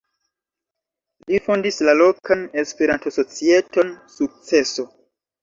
Li fondis la lokan Esperanto-societon "Sukceso".